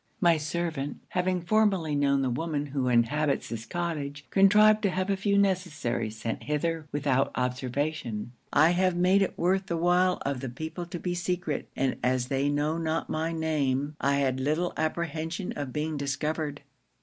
My servant having formerly known the woman who inhabits this cottage, contrived to have a few necessaries sent hither without observation; I have made it worth the while of the people to be secret; and as they know not my name, I had little apprehension of being discovered.